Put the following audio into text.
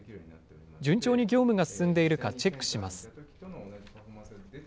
順調に業務が進んでいるかチェックします。